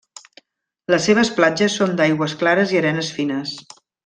Les seves platges són d'aigües clares i arenes fines.